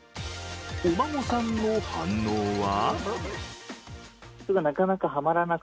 お孫さんの反応は？